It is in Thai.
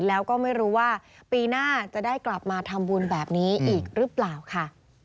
แล้วก็ไม่รู้ว่าปีหน้าจะได้กลับมาทำบุญแบบนี้อีกหรือเปล่าค่ะ